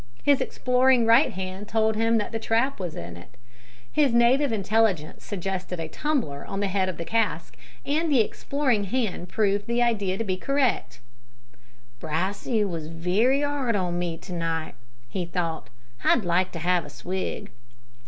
His exploring right hand told him that the tap was in it. His native intelligence suggested a tumbler on the head of the cask, and the exploring hand proved the idea to be correct. "Brassey was wery 'ard on me to night," he thought. "I'd like to have a swig."